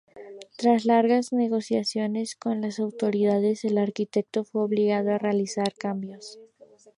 Tras largas negociaciones con las autoridades, el arquitecto fue obligado a realizar algunos cambios.